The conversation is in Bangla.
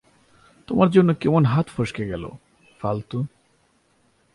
তোমার জন্য কেমন হাত ফসকে গেল, ফালতু!